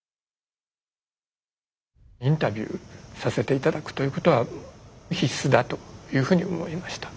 インタビューさせて頂くということは必須だというふうに思いました。